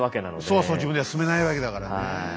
そうそう自分では進めないわけだからね。